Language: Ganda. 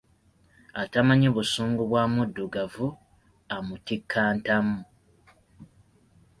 Atamanyi busungu bwa Muddugavu amutikka ntamu.